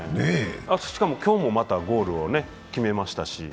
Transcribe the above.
しかも今日もまたゴールを決めましたし。